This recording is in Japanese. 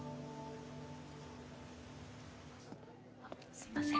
すいません。